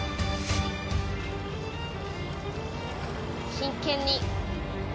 真剣に。